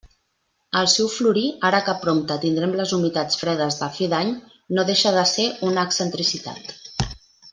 El seu florir ara que prompte tindrem les humitats fredes de fi d'any no deixa de ser una excentricitat.